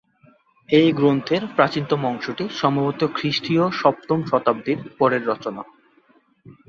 এই গ্রন্থের প্রাচীনতম অংশটি সম্ভবত খ্রিস্টীয় সপ্তম শতাব্দীর পরের রচনা।